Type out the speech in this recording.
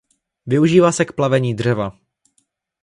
Využívá se k plavení dřeva.